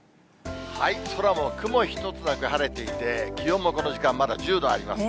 空も雲一つなく晴れていて、気温もこの時間、まだ１０度ありますね。